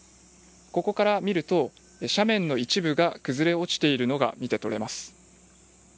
ここから見ると斜面の一部が崩れ落ちているのが見て取れます。